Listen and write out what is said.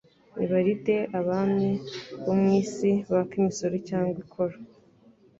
Ni baride abami bo mu isi baka imisoro cyangwa ikoro ?